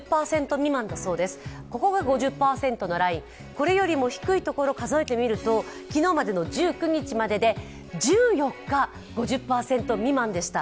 これよりも低いところを数えてみると昨日までの１９日までで１４日、５０％未満でした。